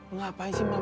ngapain sih mama lu ah